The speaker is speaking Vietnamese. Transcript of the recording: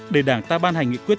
để đảng ta ban hành nghị quyết